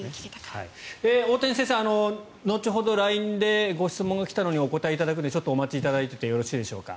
大谷先生、後ほどＬＩＮＥでご質問が来た時にお答えいただくのでちょっとお待ちいただいていてよろしいでしょうか。